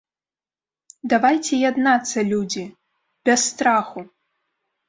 Давайце яднацца, людзі, без страху!